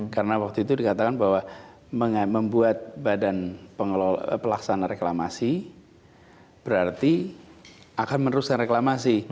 karena waktu itu dikatakan bahwa membuat badan pelaksana reklamasi berarti akan meneruskan reklamasi